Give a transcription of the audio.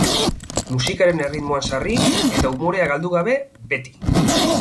Musikaren erritmoan sarri, eta umorea galdu gabe, beti.